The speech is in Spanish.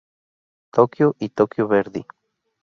Tokyo y Tokyo Verdy.